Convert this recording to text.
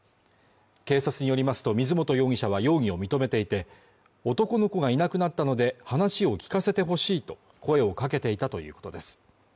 警察によりますと水本容疑者は容疑を認めていて男の子がいなくなったので話を聞かせてほしいと声をかけていたということです